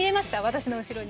私の後ろに。